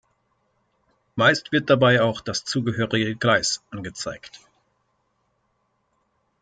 Meist wird dabei auch das zugehörige Gleis angezeigt.